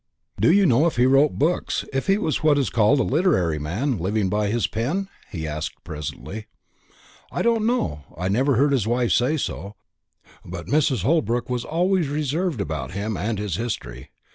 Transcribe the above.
"Do you know if he wrote books if he was what is called a literary man living by his pen?" he asked presently. "I don't know; I never heard his wife say so. But Mrs. Holbrook was always reserved about him and his history.